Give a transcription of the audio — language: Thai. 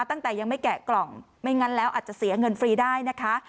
ตั้งแต่ยังไม่แกะกล่องไม่งั้นแล้วอาจจะเสียเงินฟรีได้นะคะ